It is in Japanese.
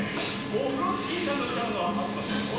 オフロスキーさんのうたなのはあってますよ。